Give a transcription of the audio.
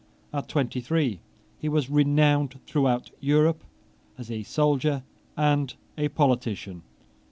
At twenty three he was renowned throughout Europe as a soldier and a politician.